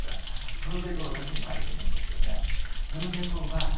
その傾向私にもあると思うんですよね。